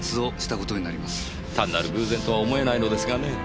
単なる偶然とは思えないのですがねぇ。